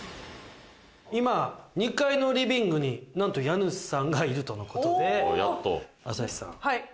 今、２階のリビングになんと家主さんがいるということで、朝日さん。